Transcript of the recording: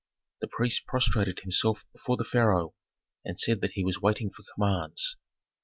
The priest prostrated himself before the pharaoh, and said that he was waiting for commands.